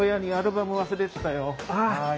はい。